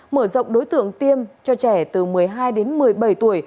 mở rộng đối tượng tiêm cho trẻ từ một mươi hai đến một mươi bảy tuổi